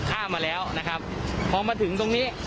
ข้ามมาแล้วพอมาถึงตรงนี้